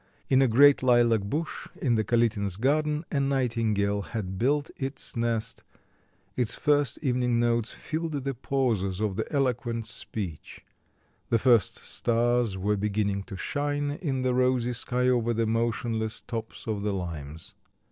In a great lilac bush in the Kalitins' garden a nightingale had built its nest; its first evening notes filled the pauses of the eloquent speech; the first stars were beginning to shine in the rosy sky over the motionless tops of the limes.